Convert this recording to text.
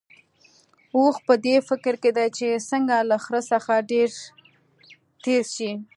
اوښ په دې فکر کې دی چې څنګه له خره څخه ډېر تېز شي.